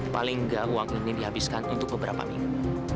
paling enggak uang ini dihabiskan untuk beberapa minggu